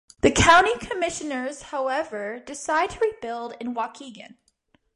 The county commissioners, however, decided to rebuild in Waukegan.